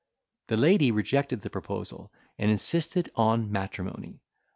The lady rejected the proposal, and insisted on matrimony.